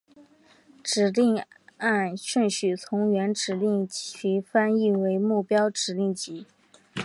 指令按顺序从原指令集翻译为目标指令集。